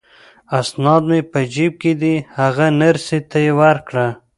اسناد مې په جیب کې دي، هغه نرسې ته ورکړه.